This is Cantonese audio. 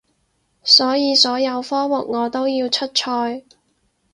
所以所有科目我都要出賽